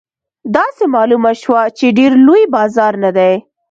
داسې معلومه شوه چې ډېر لوی بازار نه دی.